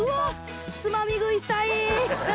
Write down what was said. つまみ食いしたい！